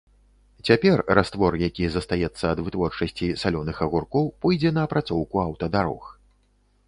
Цяпер раствор, які застаецца ад вытворчасці салёных агуркоў, пойдзе на апрацоўку аўтадарог.